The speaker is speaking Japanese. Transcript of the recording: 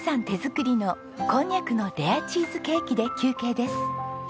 手作りのこんにゃくのレアチーズケーキで休憩です。